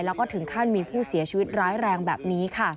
แล้วก็ถึงขั้นมีผู้เสียชีวิตร้ายแรงแบบนี้ค่ะ